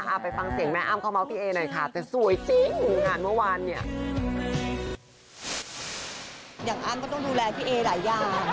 อ้าวไปฟังเสียงแม่อ้ำเข้าเมาส์พี่เอหน่อยค่ะแต่สวยจริงงานเมื่อวานเนี่ย